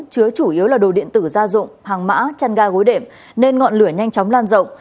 chứa chủ yếu là đồ điện tử gia dụng hàng mã chăn ga gối đệm nên ngọn lửa nhanh chóng lan rộng